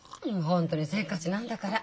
本当にせっかちなんだから。